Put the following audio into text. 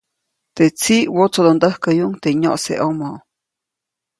Te tsiʼ wotsodondäjkäyuʼuŋ teʼ nyoʼseʼomo.